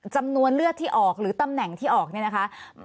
จำนวนเลือดที่ออกหรือตำแหน่งที่ออกเนี่ยนะคะ